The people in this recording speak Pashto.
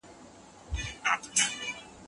مأخذونه